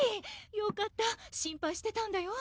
よかった心配してたんだよ